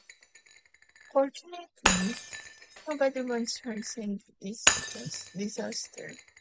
Fortunately, nobody was hurt in this disaster.